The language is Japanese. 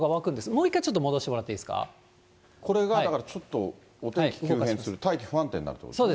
もう１回、ちょっと戻してもらっこれがだから、ちょっとお天気急変する、大気不安定になるということですね。